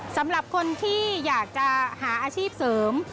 สำหรับคนที่อยากจะหาอาชีพเสริม